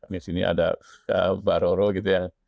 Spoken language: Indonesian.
di sini ada mbak roro gitu yang